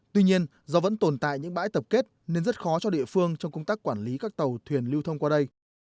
tuy nhiên do vẫn tồn tại những bãi tập kết nên rất khó cho địa phương trong công tác quản lý các tàu thuyền lưu thông qua đây